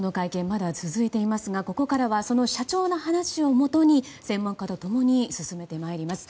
まだ続いていますがここからはその社長の話をもとに専門家と共に進めてまいります。